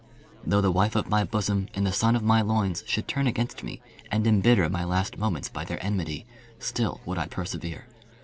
Though the wife of my bosom and the son of my loins should turn against me, and embitter my last moments by their enmity, still would I persevere.